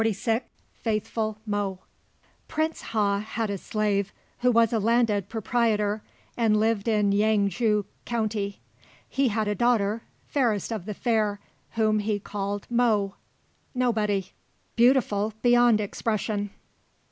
XLVI FAITHFUL MO Prince Ha had a slave who was a landed proprieter and lived in Yang ju county. He had a daughter, fairest of the fair, whom he called Mo (Nobody), beautiful beyond expression.